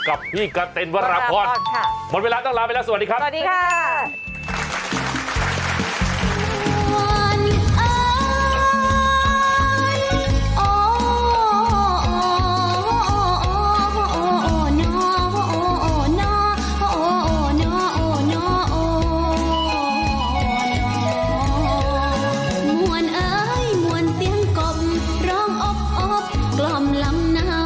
กับพี่กะเต็นวราพรหมดเวลาต้องลาไปแล้วสวัสดีครับสวัสดีค่ะ